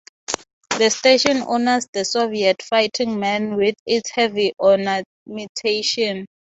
The station honors the Soviet fighting men with its heavy ornamentation.